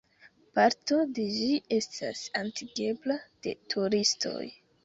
Parto de ĝi estas atingebla de turistoj.